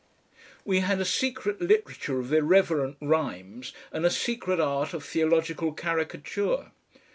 We had a secret literature of irreverent rhymes, and a secret art of theological caricature.